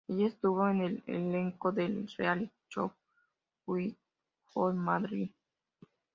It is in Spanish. Ella estuvo en el elenco del reality show "We Got Married".